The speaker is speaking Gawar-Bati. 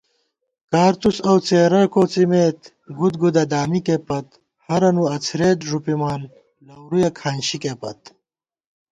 کارتُس اؤ څېرہ کوڅِمېت، گُدگُدہ دامِکےپت * ہرَنُو اڅَھرېت ݫُپِمان لَورُیَہ کھانشِکےپت